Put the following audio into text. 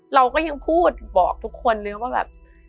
เราก็ยังพูดบอกทุกคนเลยว่าแบบ